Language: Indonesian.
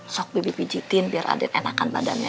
sok bebe pijitin biar aden enakan badannya ya